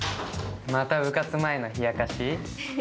また部活前の冷やかし？